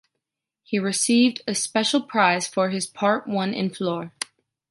He received a special prize for his part won in Flohr.